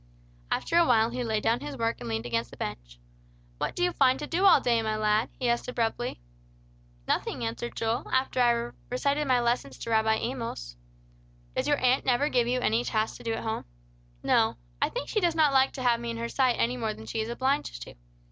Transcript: After a while he laid down his work and leaned against the bench. "What do you find to do all day, my lad?" he asked, abruptly. "Nothing," answered Joel, "after I have recited my lessons to Rabbi Amos." "Does your aunt never give you any tasks to do at home?" "No. I think she does not like to have me in her sight any more than she is obliged to.